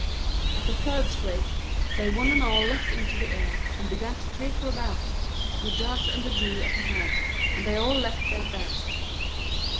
At the third scrape they one and all leapt into the air, and began to caper about, the Judge and the Jew at the head, and they all leapt their best.